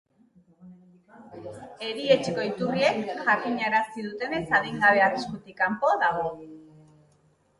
Erietxeko iturriek jakinarazi dutenez, adingabea arriskutik kanpo dago.